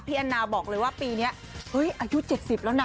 แอนนาบอกเลยว่าปีนี้อายุ๗๐แล้วนะ